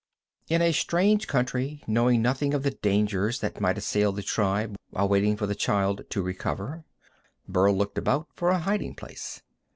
In a strange country, knowing nothing of the dangers that might assail the tribe while waiting for the child to recover, Burl looked about for a hiding place.